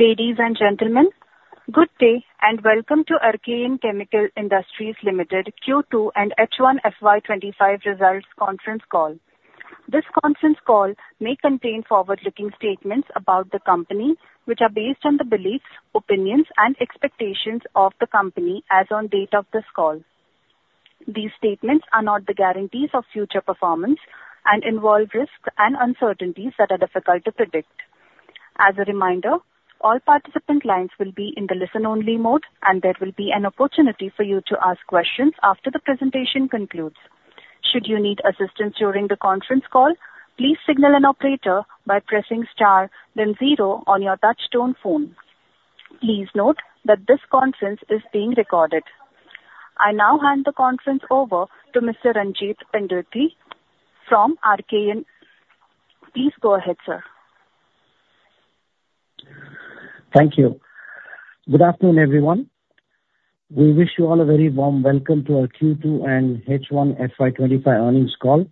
Ladies and gentlemen, good day and welcome to Archean Chemical Industries Limited Q2 and H1FY25 results conference call. This conference call may contain forward-looking statements about the company, which are based on the beliefs, opinions, and expectations of the company as of the date of this call. These statements are not the guarantees of future performance and involve risks and uncertainties that are difficult to predict. As a reminder, all participant lines will be in the listen-only mode, and there will be an opportunity for you to ask questions after the presentation concludes. Should you need assistance during the conference call, please signal an operator by pressing star, then zero on your Touchtone phone. Please note that this conference is being recorded. I now hand the conference over to Mr. Ranjit Pendurthi from Archean. Please go ahead, sir. Thank you. Good afternoon, everyone. We wish you all a very warm welcome to our Q2 and H1FY25 earnings call.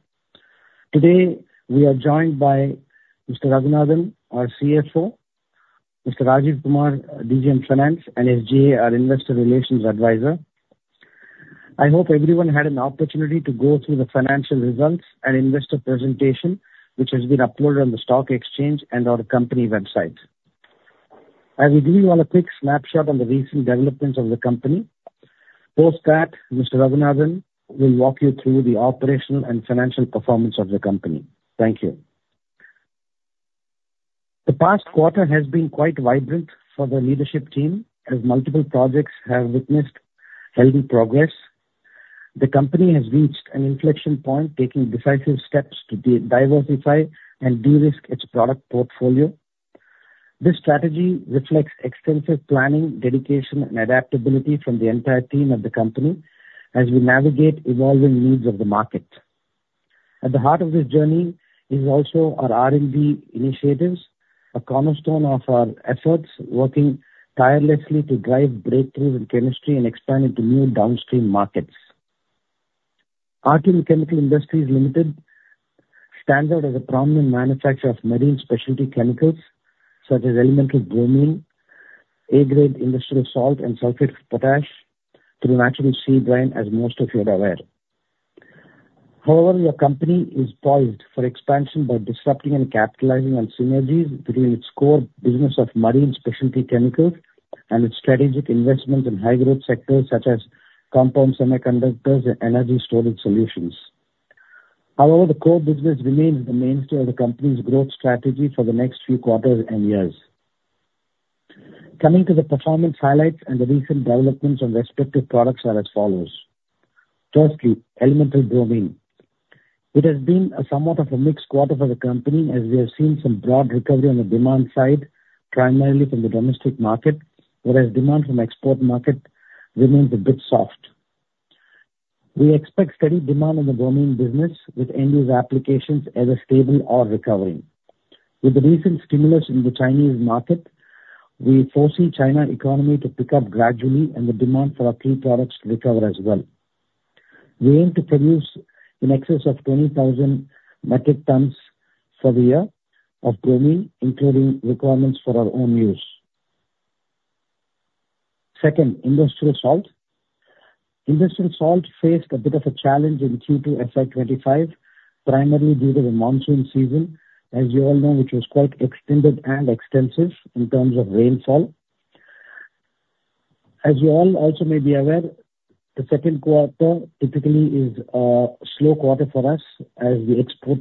Today, we are joined by Mr. Raghunathan, our CFO, Mr. Rajeev Kumar, DGM Finance, and SGA, our Investor Relations Advisor. I hope everyone had an opportunity to go through the financial results and investor presentation, which has been uploaded on the stock exchange and our company website. I will give you all a quick snapshot on the recent developments of the company. Post that, Mr. Raghunathan will walk you through the operational and financial performance of the company. Thank you. The past quarter has been quite vibrant for the leadership team, as multiple projects have witnessed healthy progress. The company has reached an inflection point, taking decisive steps to diversify and de-risk its product portfolio. This strategy reflects extensive planning, dedication, and adaptability from the entire team of the company as we navigate evolving needs of the market. At the heart of this journey is also our R&D initiatives, a cornerstone of our efforts, working tirelessly to drive breakthroughs in chemistry and expand into new downstream markets. Archean Chemical Industries Limited stands as a prominent manufacturer of marine specialty chemicals such as elemental bromine, A-grade industrial salt, and sulfate of potash through natural sea brine, as most of you are aware. However, your company is poised for expansion by disrupting and capitalizing on synergies between its core business of marine specialty chemicals and its strategic investments in high-growth sectors such as compound semiconductors and energy storage solutions. However, the core business remains the mainstay of the company's growth strategy for the next few quarters and years. Coming to the performance highlights and the recent developments on respective products are as follows. Firstly, elemental bromine. It has been somewhat of a mixed quarter for the company, as we have seen some broad recovery on the demand side, primarily from the domestic market, whereas demand from the export market remains a bit soft. We expect steady demand in the bromine business, with end-use applications either stable or recovering. With the recent stimulus in the Chinese market, we foresee the China economy to pick up gradually, and the demand for our key products to recover as well. We aim to produce in excess of 20,000 metric tons for the year of bromine, including requirements for our own use. Second, industrial salt. Industrial salt faced a bit of a challenge in Q2 FY25, primarily due to the monsoon season, as you all know, which was quite extended and extensive in terms of rainfall. As you all also may be aware, the second quarter typically is a slow quarter for us, as the export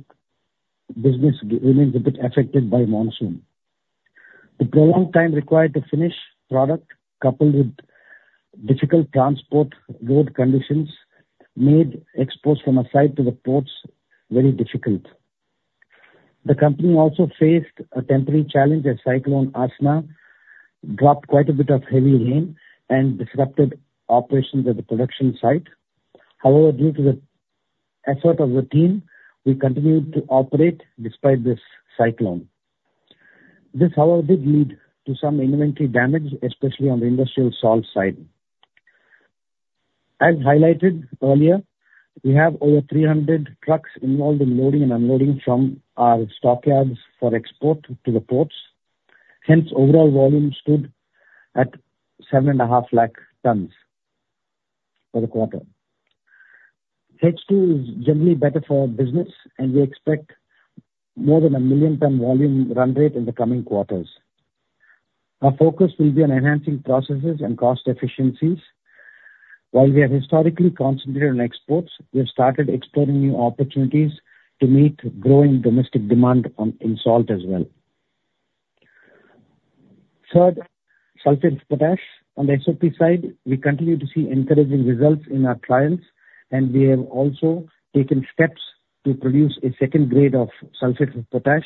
business remains a bit affected by monsoon. The prolonged time required to finish product, coupled with difficult transport road conditions, made exports from a site to the ports very difficult. The company also faced a temporary challenge as Cyclone Asna dropped quite a bit of heavy rain and disrupted operations at the production site. However, due to the effort of the team, we continued to operate despite this cyclone. This, however, did lead to some inventory damage, especially on the industrial salt side. As highlighted earlier, we have over 300 trucks involved in loading and unloading from our stockyards for export to the ports. Hence, overall volume stood at 750,000 tons for the quarter. H2 is generally better for our business, and we expect more than a 1 million-ton volume run rate in the coming quarters. Our focus will be on enhancing processes and cost efficiencies. While we have historically concentrated on exports, we have started exploring new opportunities to meet growing domestic demand in salt as well. Third, sulfate of potash. On the SOP side, we continue to see encouraging results in our trials, and we have also taken steps to produce a second grade of sulfate of potash,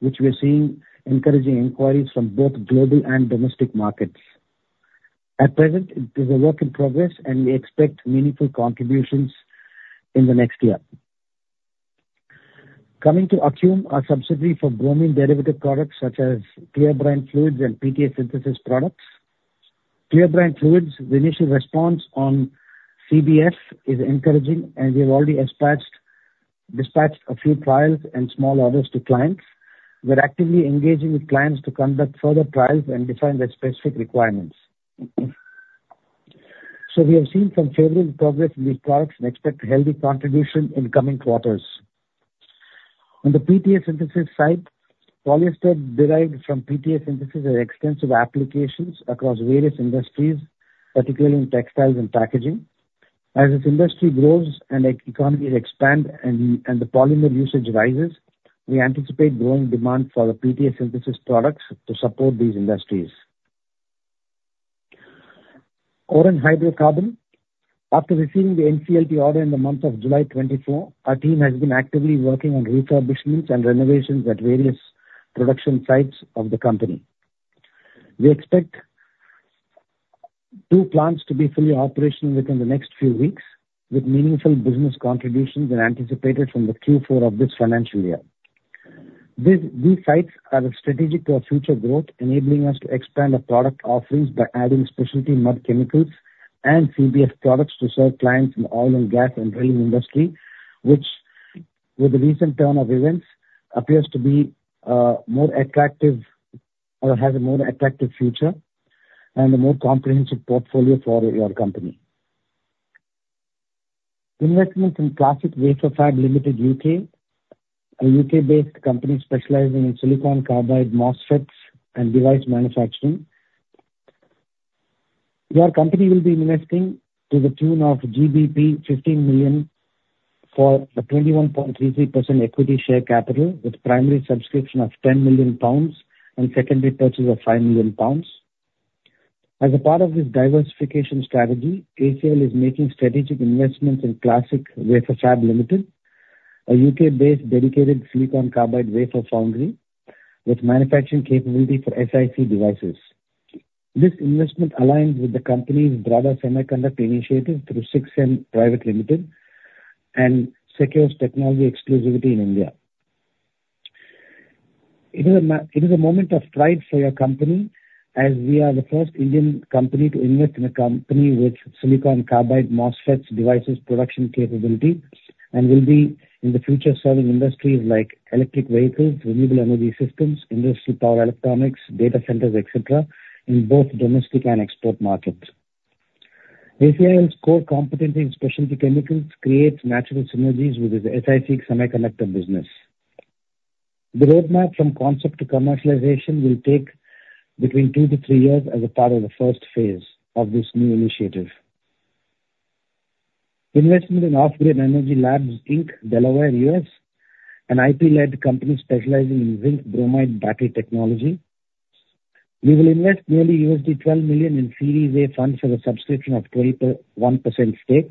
which we are seeing encouraging inquiries from both global and domestic markets. At present, it is a work in progress, and we expect meaningful contributions in the next year. Coming to Archean, our subsidiary for bromine-derivative products such as Clear Brine Fluids and PTA synthesis products. Clear Brine Fluids, the initial response on CBF is encouraging, and we have already dispatched a few trials and small orders to clients. We are actively engaging with clients to conduct further trials and define their specific requirements. So we have seen some favorable progress in these products and expect a healthy contribution in the coming quarters. On the PTA synthesis side, polyester derived from PTA synthesis has extensive applications across various industries, particularly in textiles and packaging. As this industry grows and the economy expands and the polymer usage rises, we anticipate growing demand for the PTA synthesis products to support these industries. Oren Hydrocarbons. After receiving the NCLT order in the month of July 2024, our team has been actively working on refurbishments and renovations at various production sites of the company. We expect two plants to be fully operational within the next few weeks, with meaningful business contributions anticipated from the Q4 of this financial year. These sites are strategic to our future growth, enabling us to expand our product offerings by adding specialty mud chemicals and CBF products to serve clients in the oil and gas and drilling industry, which, with the recent turn of events, appears to be more attractive or has a more attractive future and a more comprehensive portfolio for your company. Investments in Clas-SiC Wafer Fab Limited, U.K., a U.K.-based company specializing in silicon carbide MOSFETs and device manufacturing. Your company will be investing to the tune of GBP 15 million for a 21.33% equity share capital, with primary subscription of 10 million pounds and secondary purchase of 5 million pounds. As a part of this diversification strategy, ACL is making strategic investments in Clas-SiC Wafer Fab Limited, a UK-based dedicated silicon carbide wafer foundry with manufacturing capability for SiC devices. This investment aligns with the company's broader semiconductor initiative through SiCSense and SiCSense's technology exclusivity in India. It is a moment of pride for your company, as we are the first Indian company to invest in a company with silicon carbide MOSFETs devices production capability and will be, in the future, serving industries like electric vehicles, renewable energy systems, industrial power electronics, data centers, etc., in both domestic and export markets. ACL's core competency in specialty chemicals creates natural synergies with its SiC semiconductor business. The roadmap from concept to commercialization will take between two to three years as a part of the first phase of this new initiative. Investment in Off-Grid Energy Labs, Inc. Delaware, U.S., an IP-led company specializing in zinc bromide battery technology. We will invest nearly $12 million in Series A funds for the subscription of 21% stake.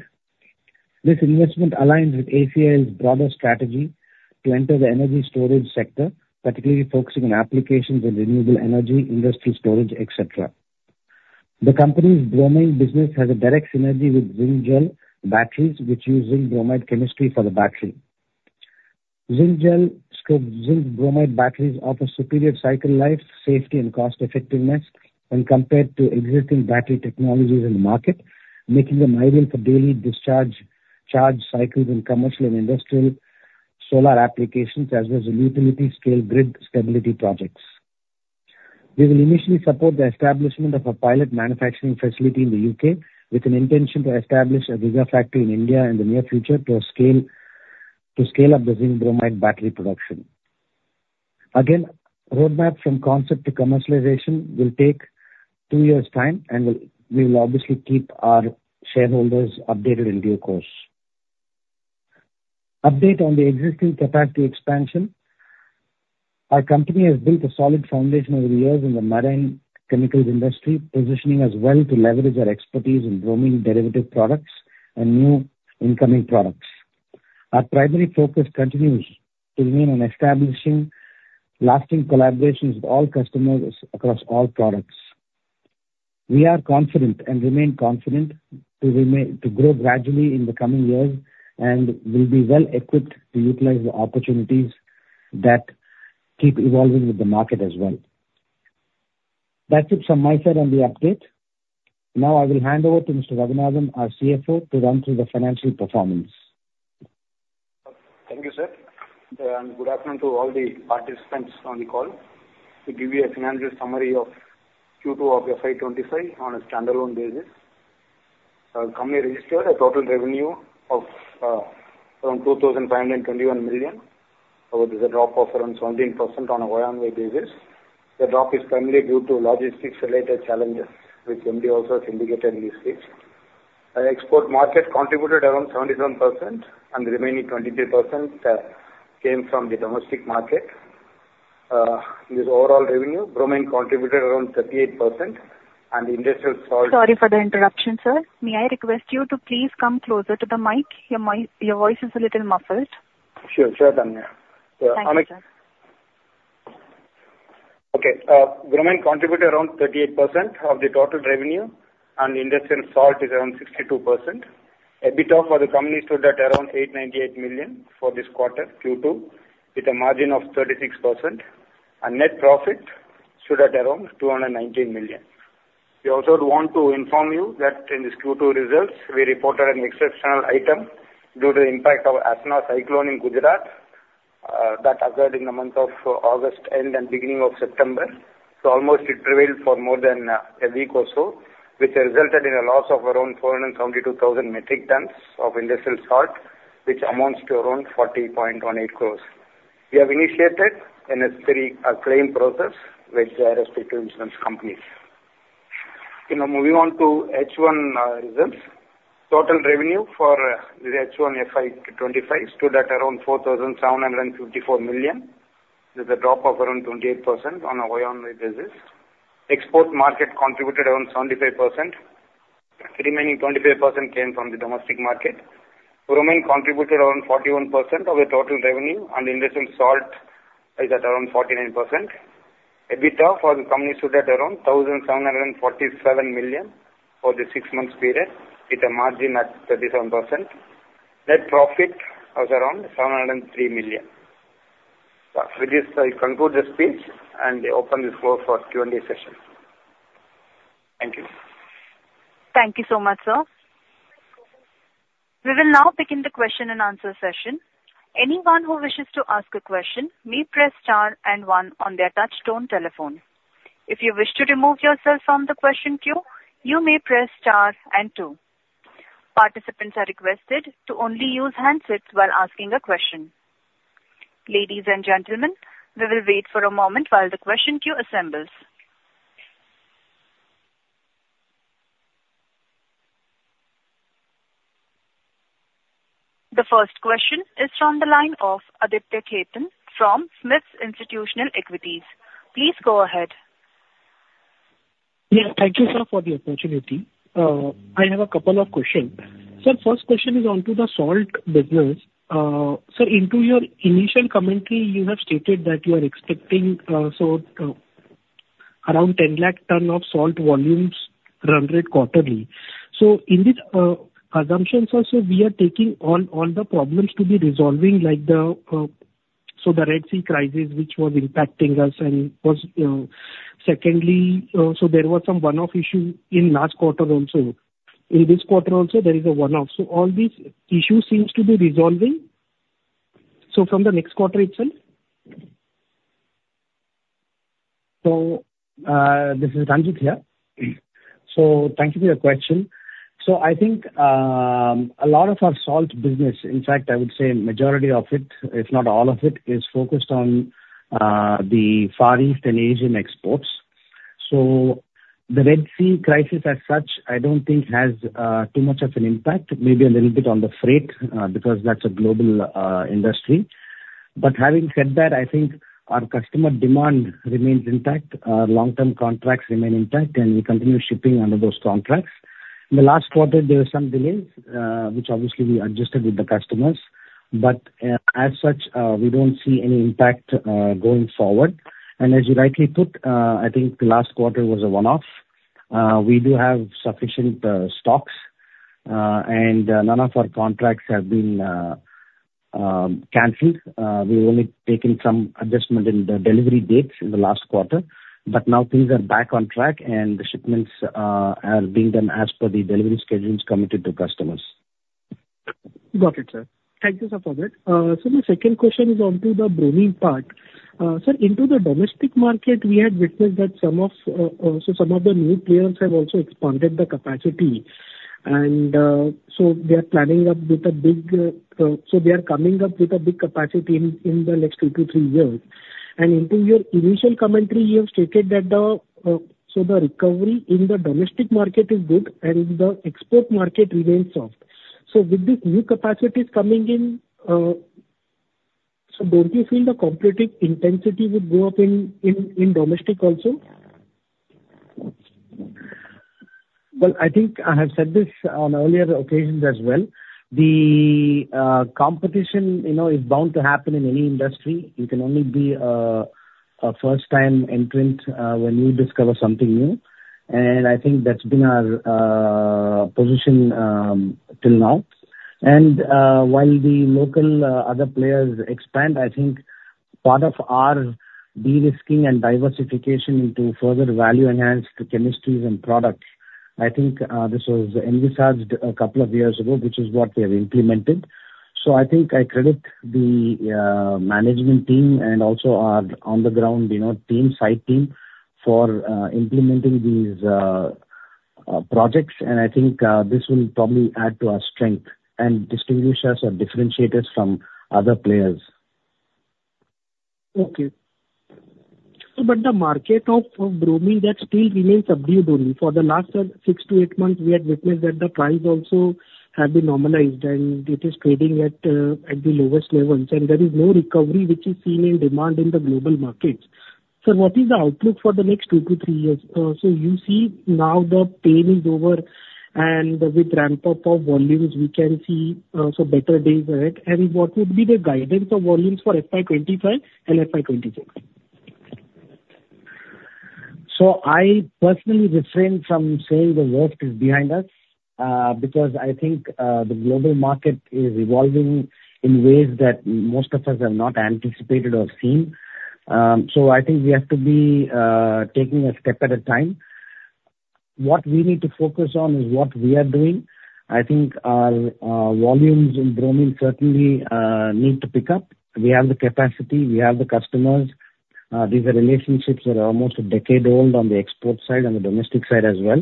This investment aligns with ACL's broader strategy to enter the energy storage sector, particularly focusing on applications in renewable energy, industrial storage, etc. The company's bromine business has a direct synergy with zinc gel batteries, which use zinc bromide chemistry for the battery. Zinc gel or zinc bromide batteries offer superior cycle life, safety, and cost-effectiveness when compared to existing battery technologies in the market, making them ideal for daily discharge charge cycles in commercial and industrial solar applications, as well as utility-scale grid stability projects. We will initially support the establishment of a pilot manufacturing facility in the U.K., with an intention to establish a gigafactory in India in the near future to scale up the zinc bromide battery production. Again, roadmap from concept to commercialization will take two years' time, and we will obviously keep our shareholders updated in due course. Update on the existing capacity expansion. Our company has built a solid foundation over the years in the marine chemicals industry, positioning us well to leverage our expertise in bromine-derivative products and new incoming products. Our primary focus continues to remain on establishing lasting collaborations with all customers across all products. We are confident and remain confident to grow gradually in the coming years and will be well equipped to utilize the opportunities that keep evolving with the market as well. That's it from my side on the update. Now I will hand over to Mr. Raghunathan, our CFO, to run through the financial performance. Thank you, sir, and good afternoon to all the participants on the call. To give you a financial summary of Q2 of FY25 on a standalone basis, our company registered a total revenue of around 2,521 million, with a drop of around 17% on a one-year basis. The drop is primarily due to logistics-related challenges, which MD also has indicated in his speech. Our export market contributed around 77%, and the remaining 23% came from the domestic market. This overall revenue, bromine contributed around 38%, and the industrial salt. Sorry for the interruption, sir. May I request you to please come closer to the mic? Your voice is a little muffled. Sure. Sure, thank you. Thanks, sir. Okay. Bromine contributed around 38% of the total revenue, and the industrial salt is around 62%. EBITDA for the company stood at around 898 million for this quarter, Q2, with a margin of 36%. Our net profit stood at around 219 million. We also want to inform you that in this Q2 results, we reported an exceptional item due to the impact of Asna cyclone in Gujarat that occurred in the month of August and beginning of September. So almost it prevailed for more than a week or so, which resulted in a loss of around 472,000 metric tons of industrial salt, which amounts to around 40.18 crores. We have initiated a claim process with the respective insurance companies. Moving on to H1 results, total revenue for the H1 FY25 stood at around 4,754 million, with a drop of around 28% on a one-year basis. Export market contributed around 75%. The remaining 25% came from the domestic market. Bromine contributed around 41% of the total revenue, and industrial salt is at around 49%. EBITDA for the company stood at around 1,747 million for the six-month period, with a margin at 37%. Net profit was around 703 million. With this, I conclude the speech and open the floor for Q&A session. Thank you. Thank you so much, sir. We will now begin the question-and-answer session. Anyone who wishes to ask a question may press star and one on their Touchtone telephone. If you wish to remove yourself from the question queue, you may press star and two. Participants are requested to only use handsets while asking a question. Ladies and gentlemen, we will wait for a moment while the question queue assembles. The first question is from the line of Aditya Khetan from SMIFS Limited. Please go ahead. Yes, thank you, sir, for the opportunity. I have a couple of questions. Sir, first question is onto the salt business. Sir, in your initial commentary, you have stated that you are expecting around 10 lakh tons of salt volumes run rate quarterly. So in these assumptions, also, we are taking all the problems to be resolving, like the Red Sea crisis, which was impacting us. And secondly, so there was some one-off issue in last quarter also. In this quarter also, there is a one-off. So all these issues seem to be resolving. So from the next quarter itself? This is Ranjit here. Thank you for your question. I think a lot of our salt business, in fact, I would say majority of it, if not all of it, is focused on the Far East and Asian exports. The Red Sea crisis as such, I don't think has too much of an impact, maybe a little bit on the freight because that's a global industry. Having said that, I think our customer demand remains intact. Our long-term contracts remain intact, and we continue shipping under those contracts. In the last quarter, there were some delays, which obviously we adjusted with the customers. As such, we don't see any impact going forward. As you rightly put, I think the last quarter was a one-off. We do have sufficient stocks, and none of our contracts have been canceled. We've only taken some adjustment in the delivery dates in the last quarter. But now things are back on track, and the shipments are being done as per the delivery schedules committed to customers. Got it, sir. Thank you, sir, for that. So my second question is onto the bromine part. Sir, into the domestic market, we had witnessed that some of the new players have also expanded the capacity. And so they are coming up with a big capacity in the next two to three years. And into your initial commentary, you have stated that the recovery in the domestic market is good, and the export market remains soft. So with these new capacities coming in, so don't you feel the competitive intensity would go up in domestic also? I think I have said this on earlier occasions as well. The competition is bound to happen in any industry. It can only be a first-time entrant when you discover something new. And I think that's been our position till now. And while the local other players expand, I think part of our de-risking and diversification into further value-enhanced chemistries and products, I think this was envisaged a couple of years ago, which is what we have implemented. So I think I credit the management team and also our on-the-ground team, site team, for implementing these projects. And I think this will probably add to our strength and distinguish us or differentiate us from other players. Okay, but the market of bromine, that still remains subdued only. For the last six to eight months, we had witnessed that the price also had been normalized, and it is trading at the lowest levels, and there is no recovery, which is seen in demand in the global markets. Sir, what is the outlook for the next two to three years? So, you see, now the pain is over, and with ramp-up of volumes, we can see some better days ahead, and what would be the guidance of volumes for FY25 and FY26? So I personally refrain from saying the worst is behind us because I think the global market is evolving in ways that most of us have not anticipated or seen. So I think we have to be taking a step at a time. What we need to focus on is what we are doing. I think our volumes in bromine certainly need to pick up. We have the capacity. We have the customers. These relationships are almost a decade old on the export side and the domestic side as well.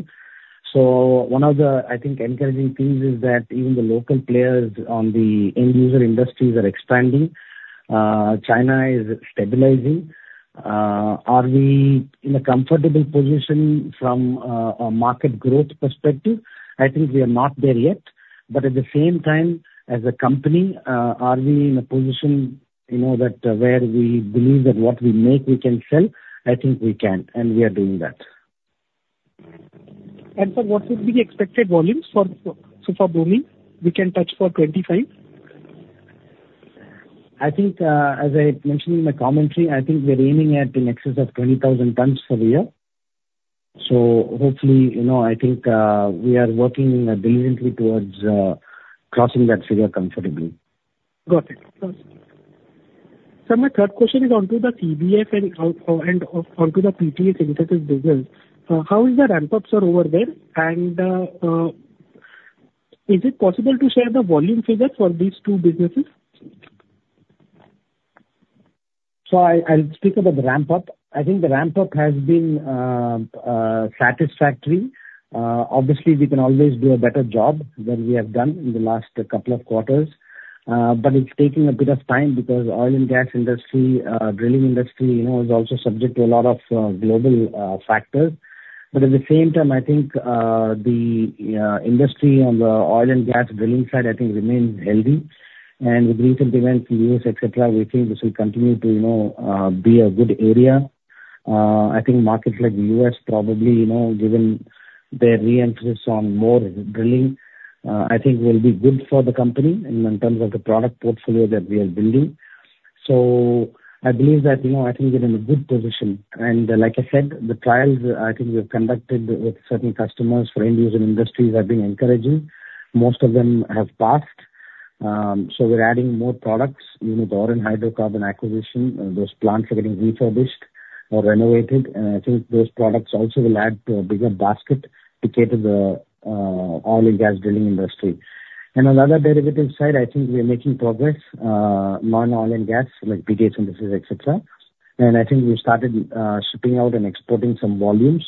So one of the, I think, encouraging things is that even the local players on the end-user industries are expanding. China is stabilizing. Are we in a comfortable position from a market growth perspective? I think we are not there yet. But at the same time, as a company, are we in a position where we believe that what we make, we can sell? I think we can, and we are doing that. Sir, what would be the expected volumes for bromine? We can touch for 25? I think, as I mentioned in my commentary, I think we're aiming at an excess of 20,000 tons per year. So hopefully, I think we are working diligently towards crossing that figure comfortably. Got it. Got it. Sir, my third question is onto the CBF and onto the PTA Industries business. How is the ramp-up, sir, over there? And is it possible to share the volume figure for these two businesses? So I'll speak about the ramp-up. I think the ramp-up has been satisfactory. Obviously, we can always do a better job than we have done in the last couple of quarters. But it's taking a bit of time because the oil and gas industry, drilling industry, is also subject to a lot of global factors. But at the same time, I think the industry on the oil and gas drilling side, I think, remains healthy. And with recent events in the U.S., etc., we think this will continue to be a good area. I think markets like the U.S., probably given their re-emphasis on more drilling, I think will be good for the company in terms of the product portfolio that we are building. So I believe that I think we're in a good position. Like I said, the trials I think we have conducted with certain customers for end-user industries have been encouraging. Most of them have passed. We're adding more products, even with the Oren Hydrocarbons acquisition. Those plants are getting refurbished or renovated. I think those products also will add to a bigger basket to cater to the oil and gas drilling industry. On the other derivative side, I think we're making progress on oil and gas, like PTA synthesis products, etc. I think we've started shipping out and exporting some volumes.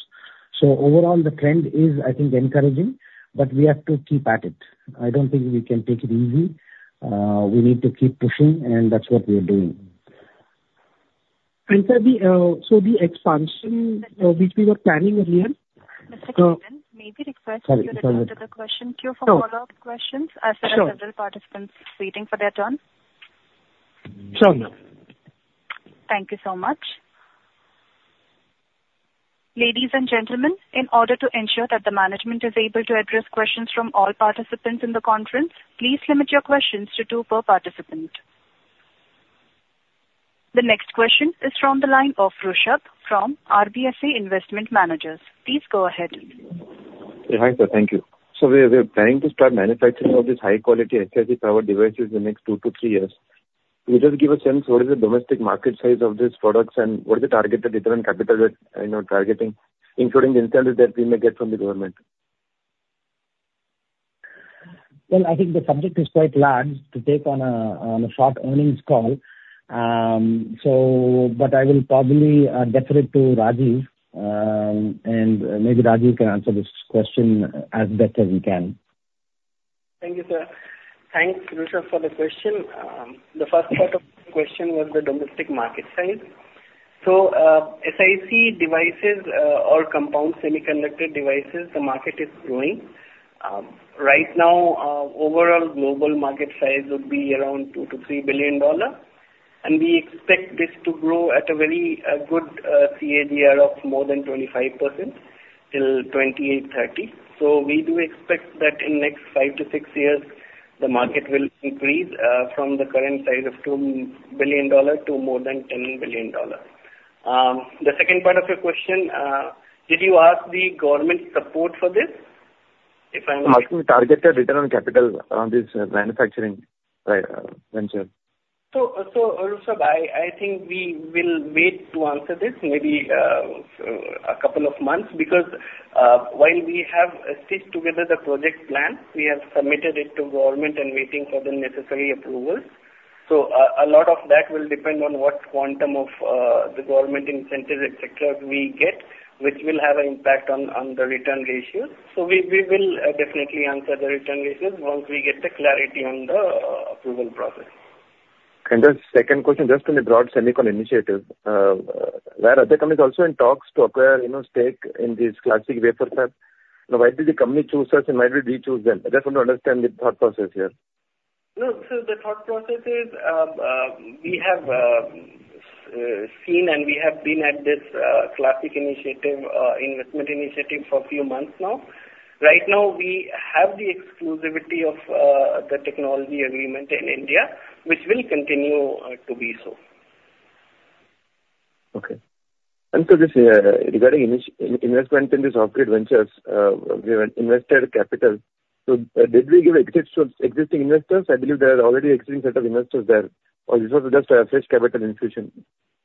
Overall, the trend is, I think, encouraging, but we have to keep at it. I don't think we can take it easy. We need to keep pushing, and that's what we are doing. And sir, so the expansion which we were planning earlier. Mr. Ketan, may we request you to answer the question queue for follow-up questions? Sure. I've set up several participants waiting for their turn. Sure. Thank you so much. Ladies and gentlemen, in order to ensure that the management is able to address questions from all participants in the conference, please limit your questions to two per participant. The next question is from the line of Rushabh from RBSA Investment Managers. Please go ahead. Hey, hi, sir. Thank you. So we are planning to start manufacturing all these high-quality SiC powered devices in the next two to three years. Can you just give a sense of what is the domestic market size of these products and what is the targeted return capital that you're targeting, including the incentives that we may get from the government? I think the subject is quite large to take on a short earnings call. But I will probably defer it to Rajeev, and maybe Rajeev can answer this question as best as he can. Thank you, sir. Thanks, Rushabh, for the question. The first part of the question was the domestic market size. So SiC devices or compound semiconductor devices, the market is growing. Right now, overall global market size would be around $2-$3 billion. And we expect this to grow at a very good CAGR of more than 25% till 2030. So we do expect that in the next five to six years, the market will increase from the current size of $2 billion to more than $10 billion. The second part of your question, did you ask the government support for this? If I'm... How can we target the return on capital around this manufacturing venture? So Rushabh, I think we will wait to answer this, maybe a couple of months, because while we have stitched together the project plan, we have submitted it to government and waiting for the necessary approvals. So a lot of that will depend on what quantum of the government incentives, etc., we get, which will have an impact on the return ratio. So we will definitely answer the return ratio once we get the clarity on the approval process. And the second question, just on the broad semiconductor initiative, where are the companies also in talks to acquire stake in these Clas-SiC wafer fabs? Why did the company choose us, and why did we choose them? I just want to understand the thought process here. So the thought process is we have seen, and we have been at this Clas-SiC initiative, investment initiative for a few months now. Right now, we have the exclusivity of the technology agreement in India, which will continue to be so. Okay. And so just regarding investment in these off-grid ventures, we have invested capital. So did we give it to existing investors? I believe there are already existing set of investors there. Or this was just a fresh capital infusion?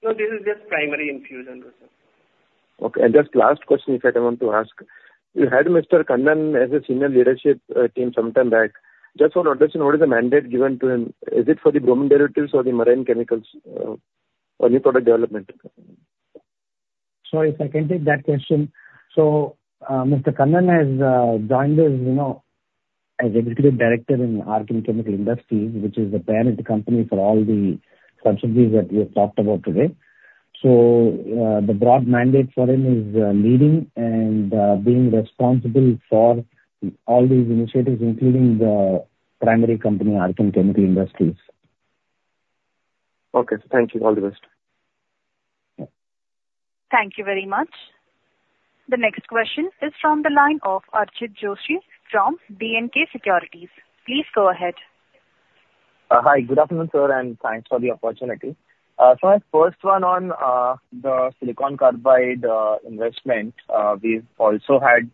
No, this is just primary infusion, Rushabh. Okay. And just last question, if I can want to ask, you had Mr. Kannan as a senior leadership team some time back. Just for an addition, what is the mandate given to him? Is it for the bromine derivatives or the marine chemicals or new product development? Sorry, if I can take that question. So Mr. Kannan has joined us as Executive Director in Archean Chemical Industries, which is the parent company for all the subsidiaries that we have talked about today. So the broad mandate for him is leading and being responsible for all these initiatives, including the primary company, Archean Chemical Industries. Okay. So thank you. All the best. Thank you very much. The next question is from the line of Archit Joshi from B&K Securities. Please go ahead. Hi. Good afternoon, sir, and thanks for the opportunity. So my first one on the silicon carbide investment, we've also had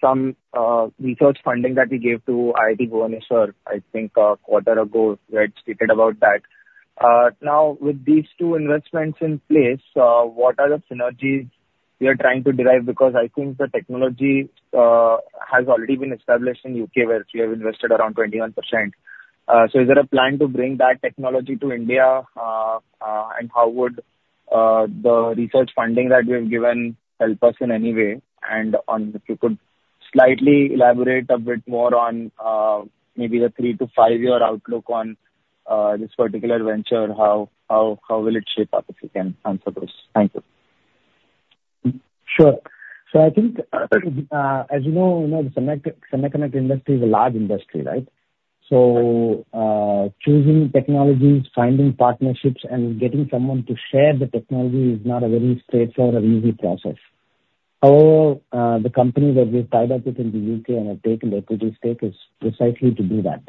some research funding that we gave to IIT Bhubaneswar, I think a quarter ago, where it stated about that. Now, with these two investments in place, what are the synergies we are trying to derive? Because I think the technology has already been established in the U.K., where we have invested around 21%. So is there a plan to bring that technology to India? And how would the research funding that we have given help us in any way? And if you could slightly elaborate a bit more on maybe the three-to-five-year outlook on this particular venture, how will it shape up if you can answer those? Thank you. Sure. So I think, as you know, the semiconductor industry is a large industry, right? So choosing technologies, finding partnerships, and getting someone to share the technology is not a very straightforward or easy process. However, the company that we've tied up with in the U.K. and have taken the equity stake is precisely to do that.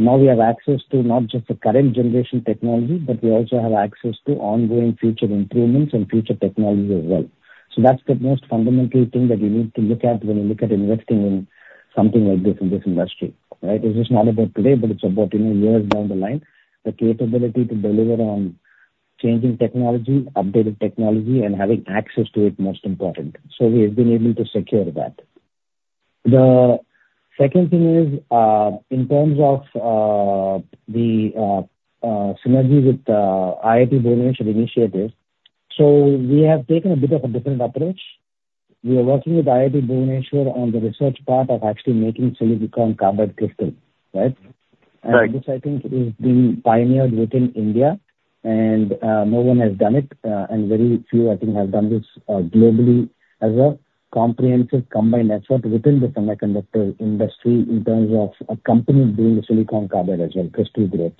Now we have access to not just the current generation technology, but we also have access to ongoing future improvements and future technology as well. So that's the most fundamental thing that you need to look at when you look at investing in something like this in this industry, right? This is not about today, but it's about years down the line. The capability to deliver on changing technology, updated technology, and having access to it is most important. So we have been able to secure that. The second thing is, in terms of the synergy with IIT Bhubaneswar initiative, so we have taken a bit of a different approach. We are working with IIT Bhubaneswar on the research part of actually making silicon carbide crystal, right? And this, I think, has been pioneered within India, and no one has done it. And very few, I think, have done this globally as a comprehensive combined effort within the semiconductor industry in terms of a company doing silicon carbide as well, crystal growth.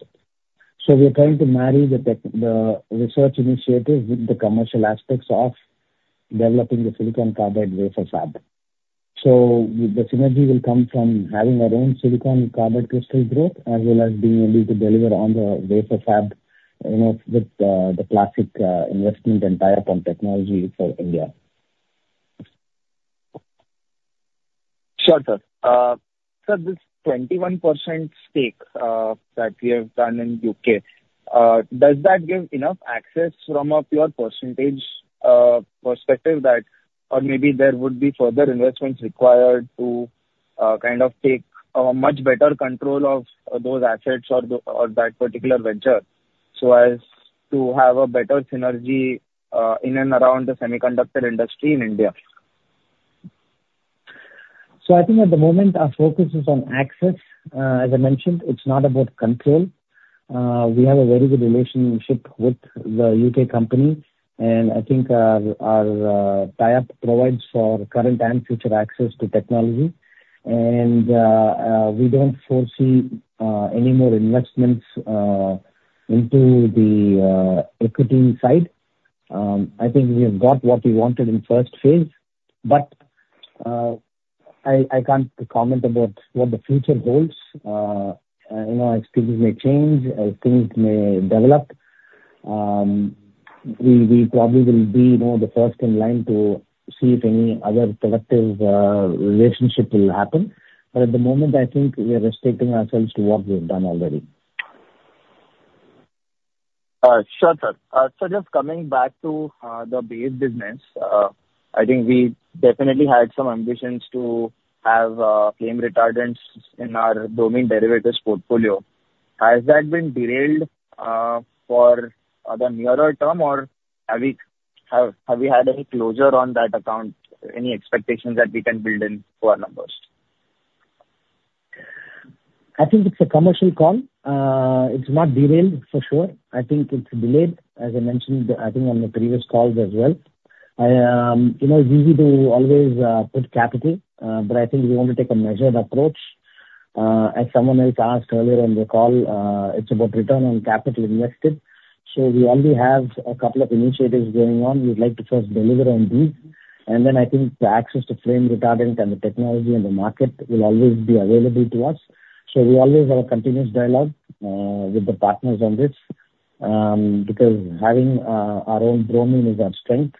So we are trying to marry the research initiative with the commercial aspects of developing the silicon carbide wafer fab. So the synergy will come from having our own silicon carbide crystal growth as well as being able to deliver on the wafer fab with the Clas-SiC investment and tie-up on technology for India. Sure, sir. Sir, this 21% stake that we have done in the U.K., does that give enough access from a pure percentage perspective that, or maybe there would be further investments required to kind of take much better control of those assets or that particular venture so as to have a better synergy in and around the semiconductor industry in India? So I think at the moment, our focus is on access. As I mentioned, it's not about control. We have a very good relationship with the UK company, and I think our tie-up provides for current and future access to technology. And we don't foresee any more investments into the equity side. I think we have got what we wanted in the first phase, but I can't comment about what the future holds. Things may change. Things may develop. We probably will be the first in line to see if any other productive relationship will happen. But at the moment, I think we are restricting ourselves to what we have done already. Sure, sir. So just coming back to the base business, I think we definitely had some ambitions to have flame retardants in our bromine derivatives portfolio. Has that been derailed for the nearer term, or have we had any closure on that account, any expectations that we can build in for our numbers? I think it's a commercial call. It's not derailed for sure. I think it's delayed, as I mentioned, I think, on the previous calls as well. It's easy to always put capital, but I think we want to take a measured approach. As someone else asked earlier on the call, it's about return on capital invested. So we only have a couple of initiatives going on. We'd like to first deliver on these. And then I think the access to flame retardant and the technology and the market will always be available to us. So we always have a continuous dialogue with the partners on this because having our own bromine is our strength.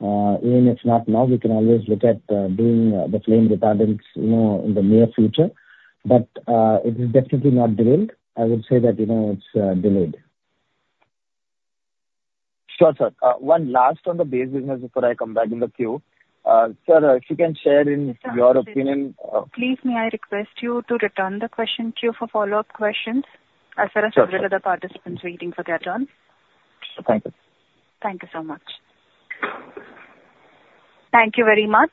Even if not now, we can always look at doing the flame retardants in the near future. But it is definitely not derailed. I would say that it's delayed. Sure, sir. One last on the base business before I come back in the queue. Sir, if you can share your opinion. Please, may I request you to return the question queue for follow-up questions as well as to the other participants waiting for their turn? Thank you. Thank you so much. Thank you very much.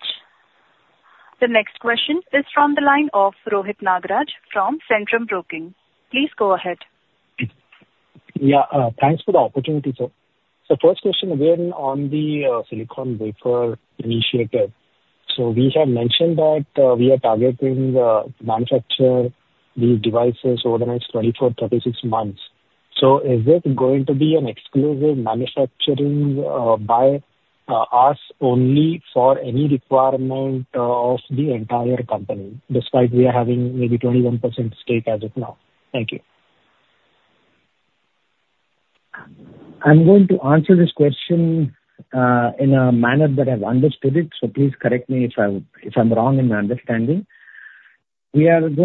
The next question is from the line of Rohit Nagraj from Centrum Broking. Please go ahead. Yeah. Thanks for the opportunity, sir. So first question, again, on the silicon wafer initiative. So we have mentioned that we are targeting to manufacture these devices over the next 24-36 months. So is this going to be an exclusive manufacturing by us only for any requirement of the entire company, despite we are having maybe 21% stake as of now? Thank you. I'm going to answer this question in a manner that I've understood it, so please correct me if I'm wrong in my understanding. It's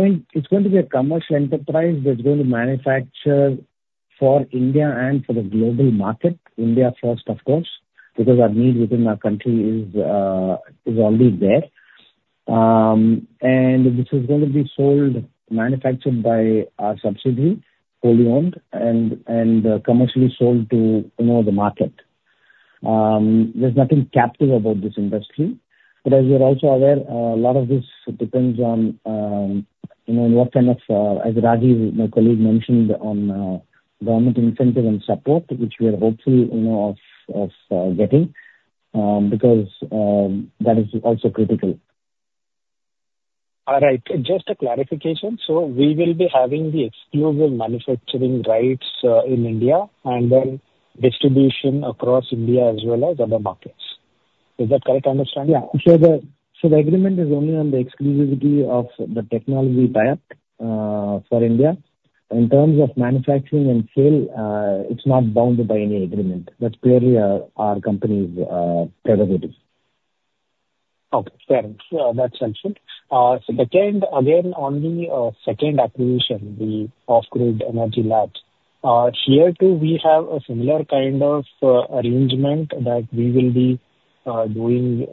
going to be a commercial enterprise that's going to manufacture for India and for the global market, India first, of course, because our need within our country is already there. And this is going to be sold, manufactured by our subsidiary, fully owned, and commercially sold to the market. There's nothing captive about this industry. But as you're also aware, a lot of this depends on what kind of, as Rajeev, my colleague, mentioned on government incentive and support, which we are hopeful of getting because that is also critical. All right. Just a clarification. So we will be having the exclusive manufacturing rights in India and then distribution across India as well as other markets. Is that a correct understanding? Yeah. So the agreement is only on the exclusivity of the technology tie-up for India. In terms of manufacturing and sale, it's not bound by any agreement. That's clearly our company's prerogative. Okay. Fair enough. That's helpful. So again, on the second acquisition, the Off-Grid Energy Labs, here too, we have a similar kind of arrangement that we will be doing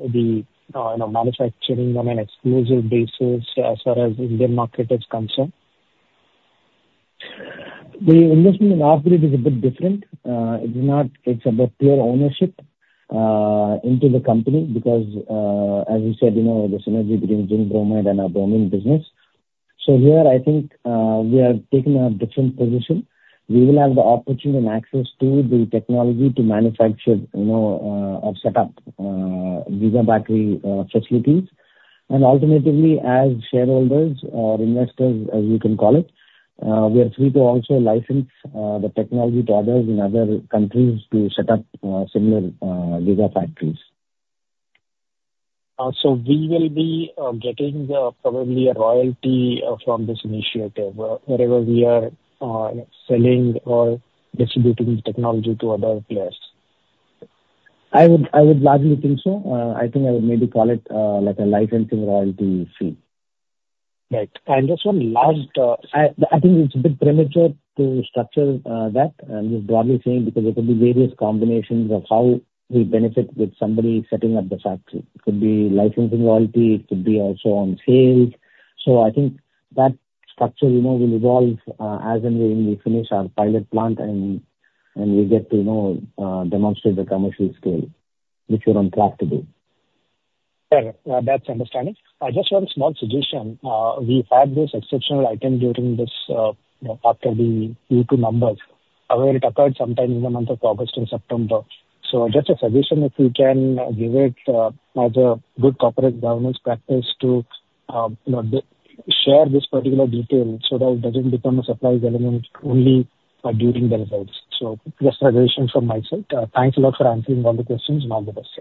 the manufacturing on an exclusive basis as far as the Indian market is concerned? The investment in Off-Grid is a bit different. It's about pure ownership into the company because, as you said, the synergy between Zinc Bromide and our bromine business. So here, I think we are taking a different position. We will have the opportunity and access to the technology to manufacture or set up giga battery facilities. And alternatively, as shareholders or investors, as you can call it, we are free to also license the technology to others in other countries to set up similar giga factories. We will be getting probably a royalty from this initiative wherever we are selling or distributing technology to other players? I would largely think so. I think I would maybe call it a licensing royalty fee. Right, and just one last. I think it's a bit premature to structure that. I'm just broadly saying because there could be various combinations of how we benefit with somebody setting up the factory. It could be licensing royalty. It could be also on sales. So I think that structure will evolve as and when we finish our pilot plant and we get to demonstrate the commercial scale, which we're on track to do. Fair enough. That's understandable. I just have a small suggestion. We've had this exceptional item during this after the Q2 numbers where it occurred sometime in the month of August and September. So just a suggestion if we can give it as a good corporate governance practice to share this particular detail so that it doesn't become a surprise element only during the results. So just a suggestion from my side. Thanks a lot for answering all the questions and all the best.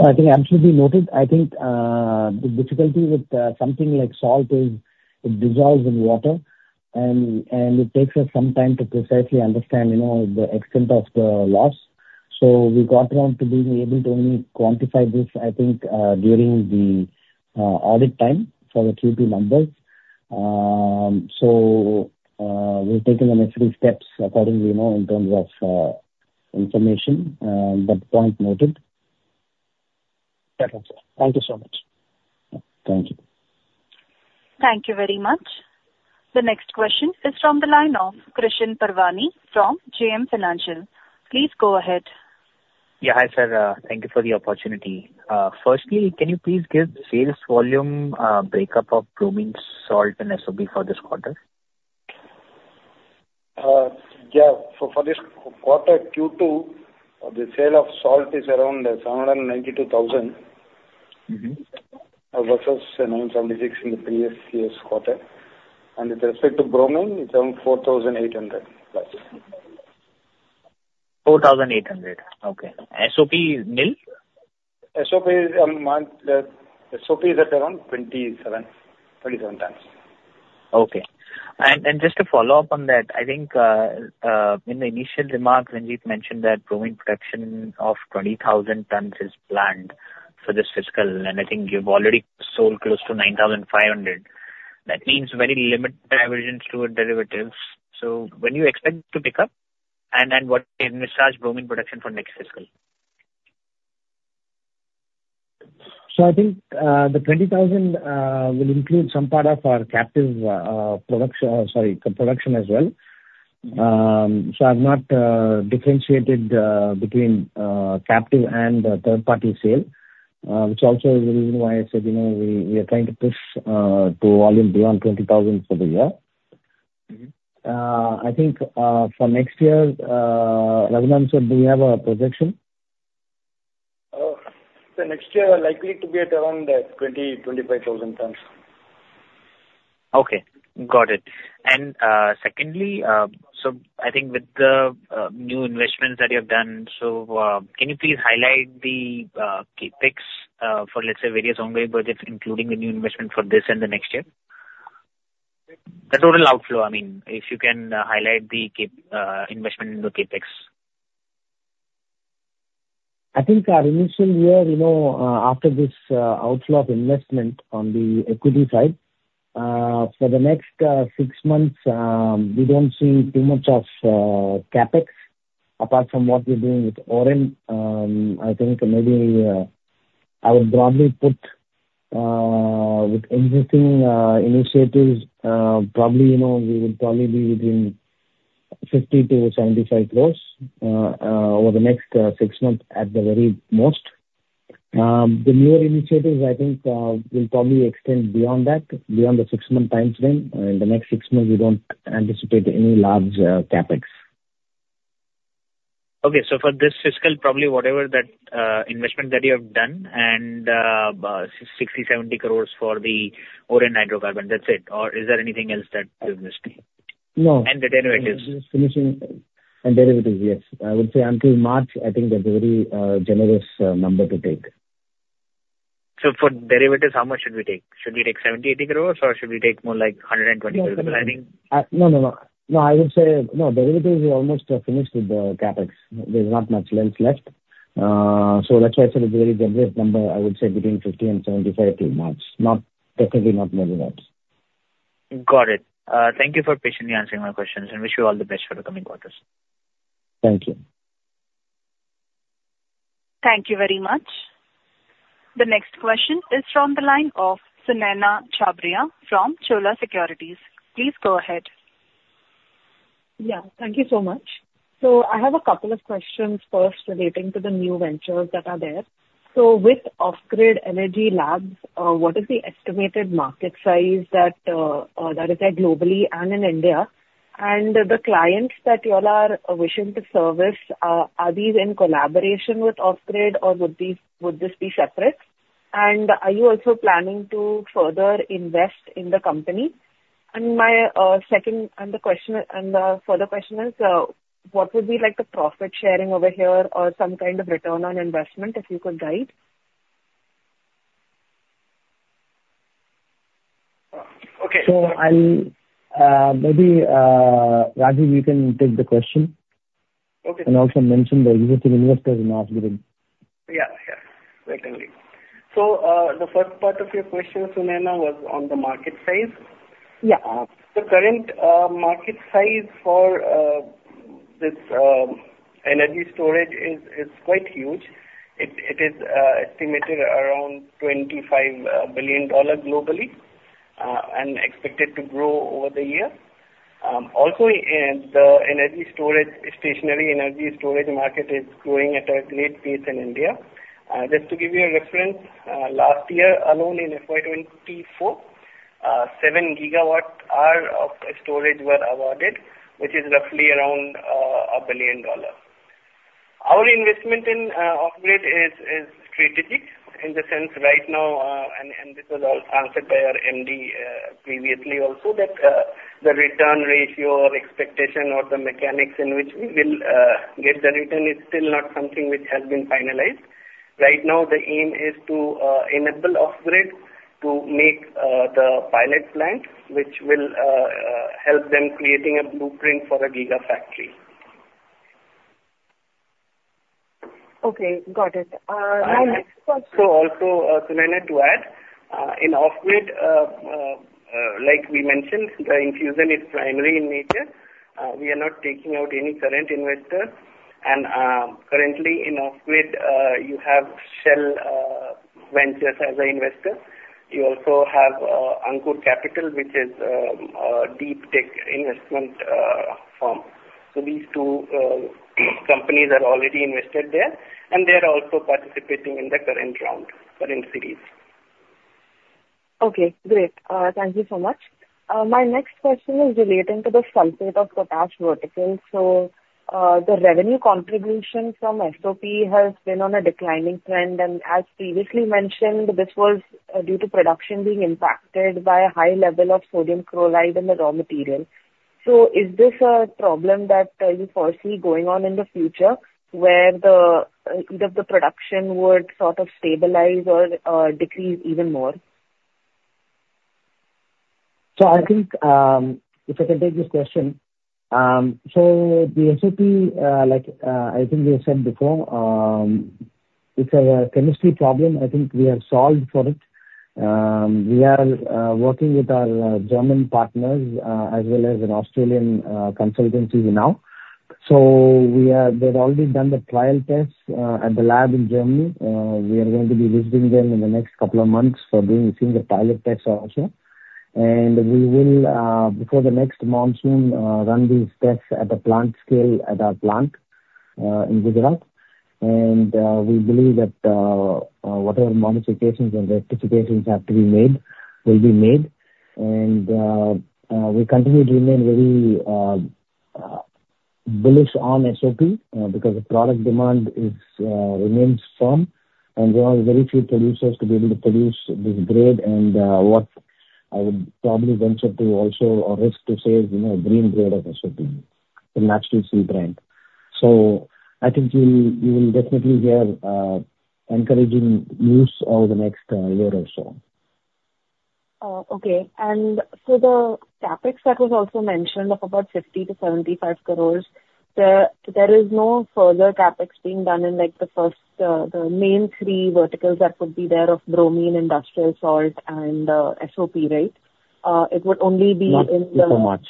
I think absolutely noted. I think the difficulty with something like salt is it dissolves in water, and it takes us some time to precisely understand the extent of the loss. So we got around to being able to only quantify this, I think, during the audit time for the Q2 numbers. So we've taken the necessary steps accordingly in terms of information, but point noted. Fair enough, sir. Thank you so much. Thank you. Thank you very much. The next question is from the line of Krishan Parwani from JM Financial. Please go ahead. Yeah. Hi, sir. Thank you for the opportunity. Firstly, can you please give the sales volume breakup of bromine, salt, and SOP for this quarter? Yeah. For this quarter, Q2, the sale of salt is around 792,000 versus 976 in the previous year's quarter. With respect to bromine, it's around 4,800 plus. 4,800. Okay. SOP is mill? SOP is at around 27 tons. Okay. And just to follow up on that, I think in the initial remarks, Ranjit mentioned that bromine production of 20,000 tons is planned for this fiscal. And I think you've already sold close to 9,500. That means very limited divergence toward derivatives. So when do you expect to pick up? And what is your size bromine production for next fiscal? So I think the 20,000 will include some part of our captive production as well. So I've not differentiated between captive and third-party sale, which also is the reason why I said we are trying to push to volume beyond 20,000 for the year. I think for next year, Raghunathan, do you have a projection? The next year is likely to be at around 20,000-25,000 tons. Okay. Got it. And secondly, so I think with the new investments that you have done, so can you please highlight the CapEx for, let's say, various ongoing projects, including the new investment for this and the next year? The total outflow, I mean, if you can highlight the investment in the CapEx. I think our initial year, after this outflow of investment on the equity side, for the next six months, we don't see too much of CapEx apart from what we're doing with Oren. I think maybe I would probably put with existing initiatives, we would probably be within 50-75 crores over the next six months at the very most. The newer initiatives, I think, will probably extend beyond that, beyond the six-month time frame. In the next six months, we don't anticipate any large CapEx. Okay. So for this fiscal, probably whatever that investment that you have done and 60-70 crores for the Oren Hydrocarbons, that's it, or is there anything else that you've missed? No. The derivatives? Finishing and derivatives, yes. I would say until March, I think that's a very generous number to take. So for derivatives, how much should we take? Should we take 70 crore, 80 crore or should we take more like 120 crore? I think. No, no, no. No, I would say no. Derivatives are almost finished with the CapEx. There's not much else left. So that's why I said it's a very generous number, I would say, between 50 and 75 to March, definitely not more than that. Got it. Thank you for patiently answering my questions, and wish you all the best for the coming quarters. Thank you. Thank you very much. The next question is from the line of Sunaina Chhabria from Chola Securities. Please go ahead. Yeah. Thank you so much. So I have a couple of questions first relating to the new ventures that are there. So with Off-Grid Energy Labs, what is the estimated market size that is there globally and in India? And the clients that you all are wishing to service, are these in collaboration with Off-Grid Energy Labs, or would this be separate? And are you also planning to further invest in the company? And the further question is, what would be the profit sharing over here or some kind of return on investment, if you could guide? Maybe, Rajeev, you can take the question and also mention the existing investors in Off-Grid. Yeah. Yeah. Certainly. So the first part of your question, Sunaina, was on the market size. Yeah. The current market size for this energy storage is quite huge. It is estimated around $25 billion globally and expected to grow over the year. Also, the stationary energy storage market is growing at a great pace in India. Just to give you a reference, last year alone in FY24, 7 gigawatt-hour of storage were awarded, which is roughly around $1 billion. Our investment in Off-Grid is strategic in the sense right now, and this was answered by our MD previously also, that the return ratio or expectation of the mechanics in which we will get the return is still not something which has been finalized. Right now, the aim is to enable Off-Grid to make the pilot plant, which will help them create a blueprint for a Gigafactory. Okay. Got it. Now, next question. So also, Sunaina, to add, in off-grid, like we mentioned, the infusion is primary in nature. We are not taking out any current investors. And currently, in off-grid, you have Shell Ventures as an investor. You also have Ankur Capital, which is a deep tech investment firm. So these two companies are already invested there, and they are also participating in the current round, current series. Okay. Great. Thank you so much. My next question is relating to the sulfate of potash vertical. So the revenue contribution from SOP has been on a declining trend. And as previously mentioned, this was due to production being impacted by a high level of sodium chloride in the raw material. So is this a problem that you foresee going on in the future where either the production would sort of stabilize or decrease even more? I think if I can take this question, so the SOP, I think you said before, it's a chemistry problem. I think we have solved for it. We are working with our German partners as well as an Australian consultancy now. So they've already done the trial tests at the lab in Germany. We are going to be visiting them in the next couple of months for doing a single pilot test also. And we will, before the next monsoon, run these tests at a plant scale at our plant in Gujarat. And we believe that whatever modifications and rectifications have to be made will be made. And we continue to remain very bullish on SOP because the product demand remains firm. And there are very few producers to be able to produce this grade. What I would probably venture to also risk to say is green grade of SOP, the natural sea brine. So I think you will definitely hear encouraging news over the next year or so. Okay. And for the CapEx that was also mentioned of about 50-75 crores, there is no further CapEx being done in the main three verticals that would be there of bromine, industrial salt, and SOP, right? It would only be in the. Not before much.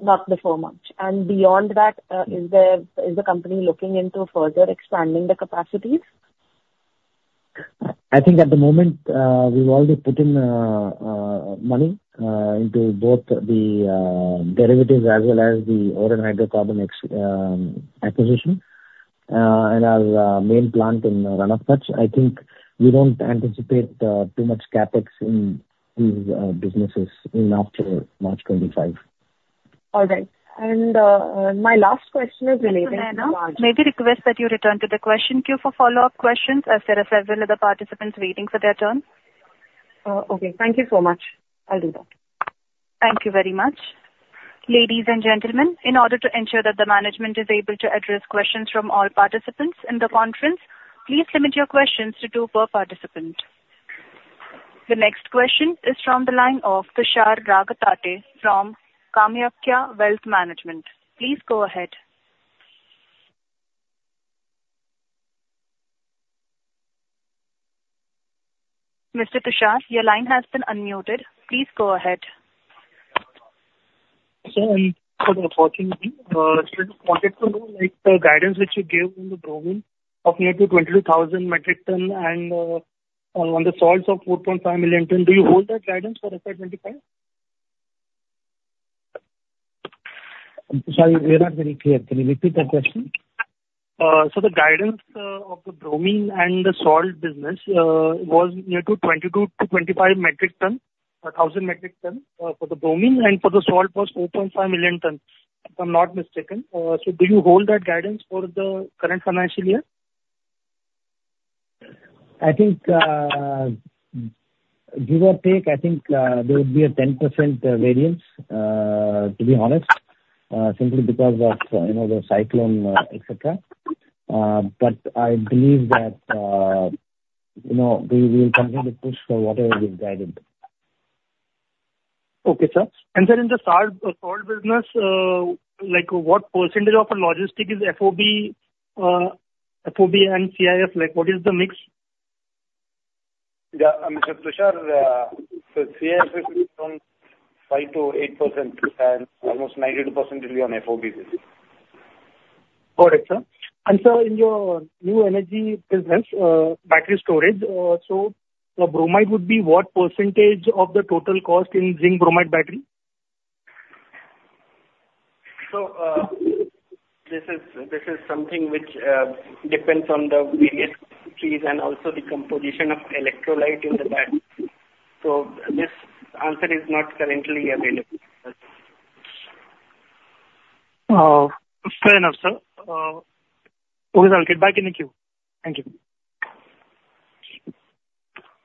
Not before much. And beyond that, is the company looking into further expanding the capacities? I think at the moment, we've already put in money into both the derivatives as well as the Oren Hydrocarbons acquisition and our main plant in Rann of Kutch. I think we don't anticipate too much CapEx in these businesses even after March 25. All right, and my last question is relating to March. Sunaina, may we request that you return to the question queue for follow-up questions as there are several other participants waiting for their turn? Okay. Thank you so much. I'll do that. Thank you very much. Ladies and gentlemen, in order to ensure that the management is able to address questions from all participants in the conference, please limit your questions to two per participant. The next question is from the line of Tushar Raghatate from Kamakhya Wealth Management. Please go ahead. Mr. Tushar, your line has been unmuted. Please go ahead. Sir, in 2014, we wanted to know the guidance that you gave on the bromine of near to 22,000 metric tons and on the salts of 4.5 million tons. Do you hold that guidance for FY25? Sorry, we're not very clear. Can you repeat that question? The guidance of the bromine and the salt business was near to 22-25,000 metric tons for the bromine, and for the salt was 4.5 million tons, if I'm not mistaken. Do you hold that guidance for the current financial year? I think, give or take, I think there would be a 10% variance, to be honest, simply because of the cyclone, etc., but I believe that we will continue to push for whatever we've guided. Okay, sir. And, sir, in the salt business, what percentage of logistics is FOB and CIF? What is the mix? Yeah. Mr. Tushar, so CIF is around 5%-8%, and almost 92% will be on FOBs. Got it, sir. And sir, in your new energy business, battery storage, so bromide would be what percentage of the total cost in zinc bromide battery? So this is something which depends on the various industries and also the composition of electrolyte in the battery. So this answer is not currently available. Fair enough, sir. Okay, sir. I'll get back in the queue. Thank you.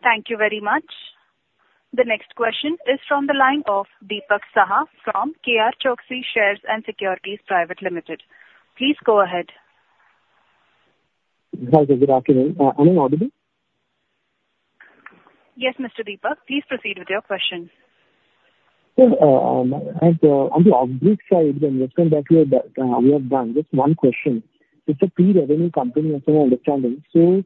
Thank you very much. The next question is from the line of Dipak Saha from KRChoksey Shares and Securities Private Limited. Please go ahead. Hi, sir. Good afternoon. Am I audible? Yes, Mr. Dipak. Please proceed with your question. Sir, on the off-grid side, the investment that we have done. Just one question. It's a pre-revenue company, as I understand it. So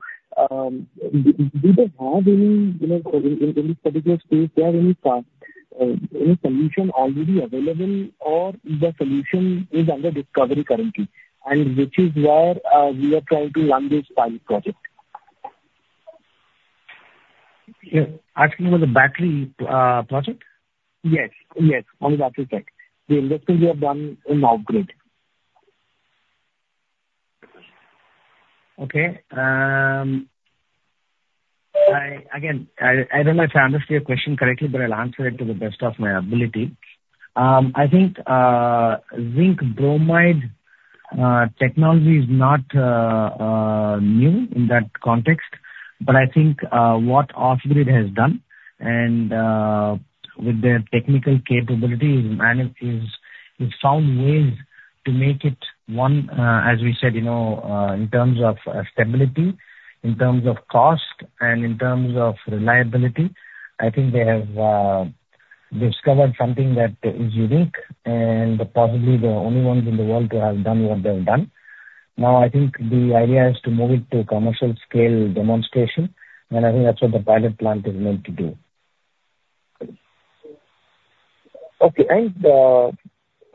do they have any in this particular space, do they have any solution already available, or the solution is under discovery currently, which is where we are trying to launch this pilot project? Yes. Are you talking about the battery project? Yes. Yes. Only that is correct. The investment we have done in Off-Grid. Okay. Again, I don't know if I understood your question correctly, but I'll answer it to the best of my ability. I think zinc bromide technology is not new in that context, but I think what Off-Grid has done and with their technical capabilities is found ways to make it, one, as we said, in terms of stability, in terms of cost, and in terms of reliability. I think they have discovered something that is unique and possibly the only ones in the world who have done what they've done. Now, I think the idea is to move it to commercial scale demonstration, and I think that's what the pilot plant is meant to do. Okay. And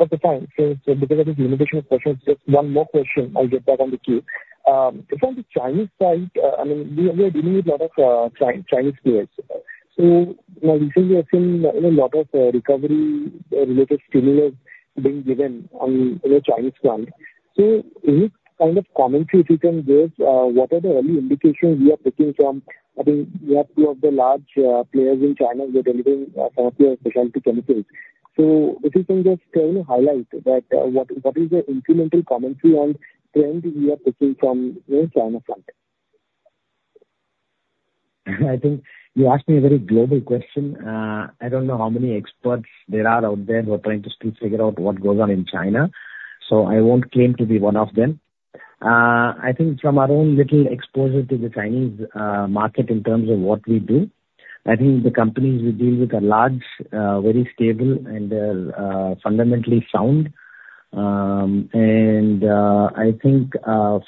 at the time, so because of this limitation of questions, just one more question. I'll get back on the queue. From the Chinese side, I mean, we are dealing with a lot of Chinese players. So now recently, I've seen a lot of recovery-related stimulus being given on the Chinese front. So any kind of commentary if you can give, what are the early indications we are picking from? I think you have two of the large players in China who are delivering some of your specialty chemicals. So if you can just kind of highlight that, what is the incremental commentary on trend we are picking from the China front? I think you asked me a very global question. I don't know how many experts there are out there who are trying to still figure out what goes on in China. So I won't claim to be one of them. I think from our own little exposure to the Chinese market in terms of what we do, I think the companies we deal with are large, very stable, and they're fundamentally sound, and I think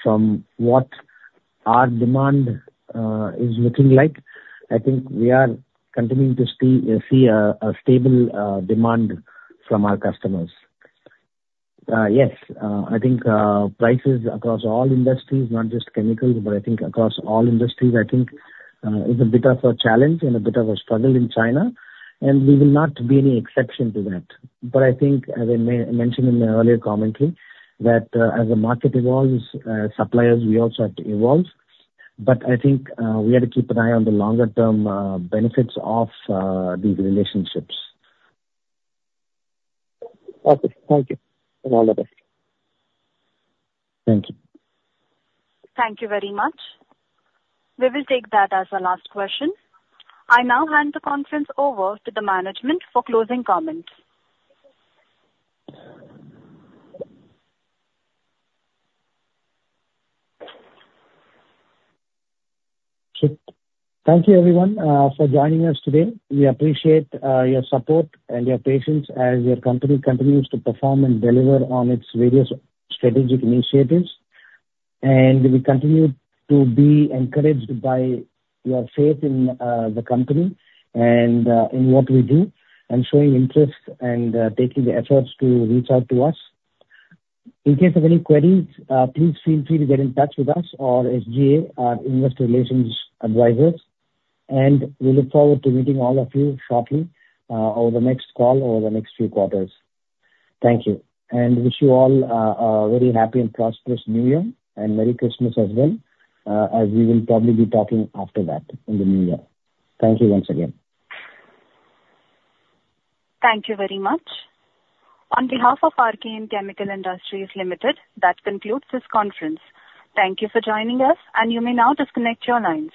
from what our demand is looking like, I think we are continuing to see a stable demand from our customers. Yes, I think prices across all industries, not just chemicals, but I think across all industries, I think it's a bit of a challenge and a bit of a struggle in China, and we will not be any exception to that. But I think, as I mentioned in my earlier commentary, that as the market evolves, suppliers, we also have to evolve. But I think we have to keep an eye on the longer-term benefits of these relationships. Okay. Thank you, and all the best. Thank you. Thank you very much. We will take that as the last question. I now hand the conference over to the management for closing comments. Sure. Thank you, everyone, for joining us today. We appreciate your support and your patience as our company continues to perform and deliver on its various strategic initiatives, and we continue to be encouraged by your faith in the company and in what we do and showing interest and taking the efforts to reach out to us. In case of any queries, please feel free to get in touch with us or SGA, our investor relations advisors, and we look forward to meeting all of you shortly over the next call over the next few quarters. Thank you, and wish you all a very happy and prosperous New Year and Merry Christmas as well, as we will probably be talking after that in the New Year. Thank you once again. Thank you very much. On behalf of Archean Chemical Industries Limited, that concludes this conference. Thank you for joining us, and you may now disconnect your lines.